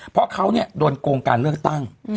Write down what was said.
เพราะเขาโดนโกงการเลือกตั้ง